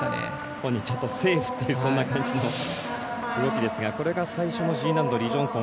本人ちょっとセーフという動きですがこれが最初のＧ難度、リ・ジョンソン。